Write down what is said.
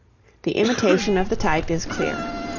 The imitation of the type is clear.